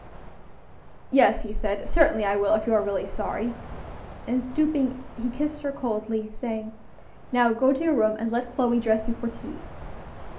"Yes," he said, "certainly I will, if you are really sorry;" and stooping, he kissed her coldly, saying, "Now go to your room, and let Chloe dress you for tea."